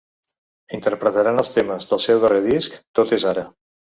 Interpretaran els temes del seu darrer disc, Tot és ara.